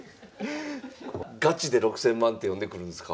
ガチで６，０００万手読んでくるんすか？